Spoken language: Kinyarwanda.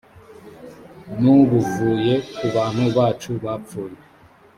n ubuvuye ku bantu bacu bapfuye